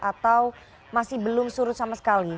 atau masih belum surut sama sekali